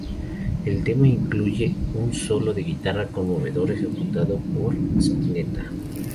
El tema incluye un solo de guitarra conmovedor, ejecutado por Spinetta.